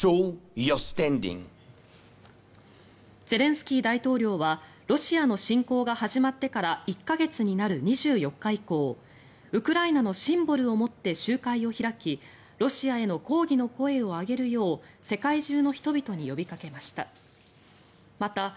ゼレンスキー大統領はロシアの侵攻が始まってから１か月になる２４日以降ウクライナのシンボルを持って集会を開きロシアへの抗議の声を上げるよう世界中の人々に呼びかけました。